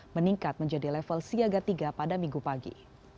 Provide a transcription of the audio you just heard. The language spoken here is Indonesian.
meningkat menjadi level siaga tiga pada minggu pagi